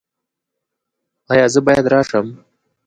ایا زه باید راشم؟